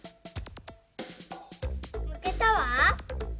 むけたわ。